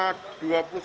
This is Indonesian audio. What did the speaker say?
kemudian untuk dua orang